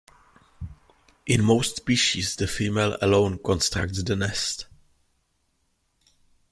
In most species the female alone constructs the nest.